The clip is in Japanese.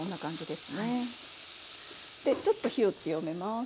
でちょっと火を強めます。